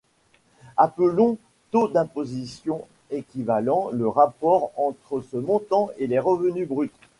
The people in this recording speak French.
Appelons Taux d'imposition Equivalent le rapport entre ce montant et les revenus bruts.